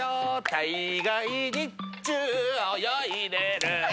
大概日中、泳いでる。